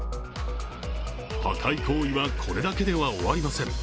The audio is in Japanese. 破壊行為はこれだけでは終わりません。